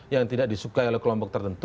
yang tidak disukai oleh kelompok tertentu